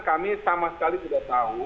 kami sama sekali tidak tahu